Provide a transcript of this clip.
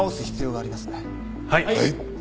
はい！